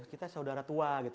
kita saudara tua gitu